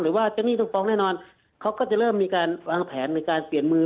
ว่าเจ้าหนี้ต้องฟ้องแน่นอนเขาก็จะเริ่มมีการวางแผนในการเปลี่ยนมือ